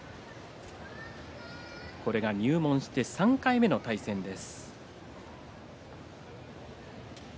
入門して３回目の対戦です。